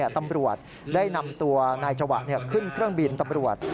ตำรวจได้นำตัวนายจวะขึ้นเครื่องบินตำรวจ